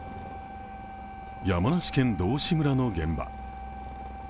山梨県道志村の現場。